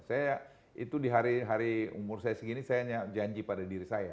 saya itu di hari hari umur saya segini saya hanya janji pada diri saya